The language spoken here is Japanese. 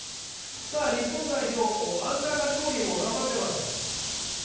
日本代表、アンダーカテゴリーも頑張っています。